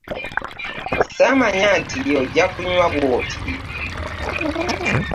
Samanya nti oja kunjiwa bwoti.